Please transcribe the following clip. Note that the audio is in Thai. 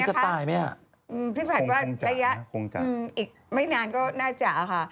คงจะนะคงจะพิพัฒน์ว่าระยะอีกไม่นานก็น่าจะค่ะ